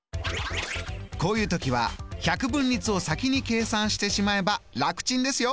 こういう時は百分率を先に計算してしまえば楽ちんですよ。